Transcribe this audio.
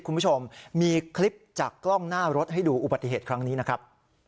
คุณผู้ชมมีคลิปจากกล้องหน้ารถให้ดูอุบัติเหตุครั้งนี้นะครับ